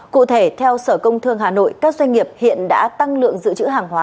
cụ thể theo sở công thương hà nội các doanh nghiệp hiện đã tăng lượng giữ chữ hàng hóa